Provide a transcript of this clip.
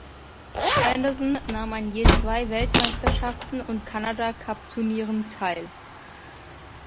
Anderson nahm an je zwei Weltmeisterschaften und Canada-Cup-Turnieren teil.